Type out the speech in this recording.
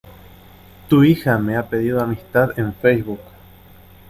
Tu hija me ha pedido amistad en Facebook.